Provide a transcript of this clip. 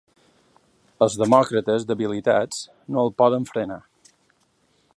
Els demòcrates, debilitats, no el poden frenar.